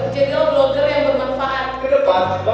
di informasi yang terbanyak di seluruh masyarakat